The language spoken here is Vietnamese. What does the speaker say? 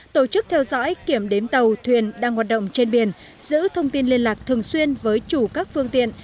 tổ chức theo dõi kiểm đếm tàu thuyền đang hoạt động trên biển giữ thông tin liên lạc thường xuyên với chủ các phương tiện